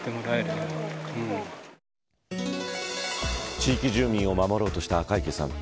地域住民を守ろうとした赤池さん。